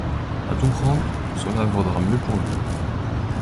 A tout prendre, cela vaudra mieux pour lui.